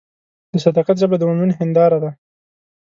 د صداقت ژبه د مؤمن هنداره ده.